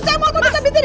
saya mau tutup sabit ini